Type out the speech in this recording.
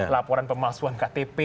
laporan pemalsuan ktp